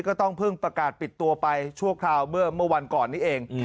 ก็ต้องเพิ่งประกาศปิดตัวไปชั่วคราวเมื่อวันก่อนนี้เอง